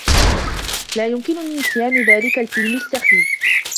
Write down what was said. لا يمكنني نسيان ذلك الفيلم السّخيف.